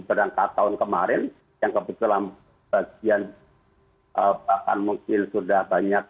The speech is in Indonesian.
berangkat tahun kemarin yang kebetulan bagian bahkan mungkin sudah banyak